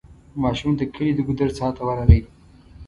ماشوم د کلي د ګودر څا ته ورغی.